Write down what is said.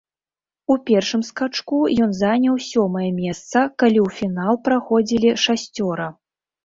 У першым скачку ён заняў сёмае месца, калі ў фінал праходзілі шасцёра.